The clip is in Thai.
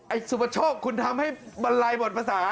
ไอ้สุปชกคุณทำให้บรรลายหมดภาษา